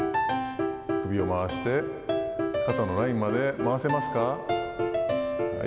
首を回して、肩のラインまで回せますか。